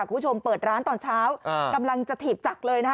คุณผู้ชมเปิดร้านตอนเช้าอ่ากำลังจะถีบจักรเลยนะคะ